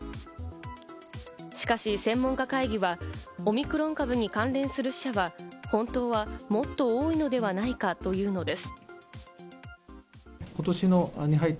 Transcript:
しかし専門家会議はオミクロン株に関連する死は、本当はもっと多いのではないかというのです。